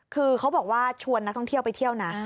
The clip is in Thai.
คือเขาบอกว่าชวนนักท่องเที่ยวไปเที่ยวนะ